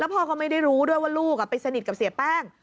พ่อก็ไม่ได้รู้ด้วยว่าลูกไปสนิทกับเสียแป้ง